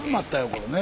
これね。